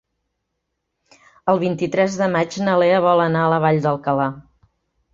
El vint-i-tres de maig na Lea vol anar a la Vall d'Alcalà.